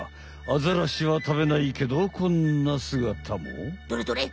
アザラシはたべないけどこんなすがたも。どれどれ？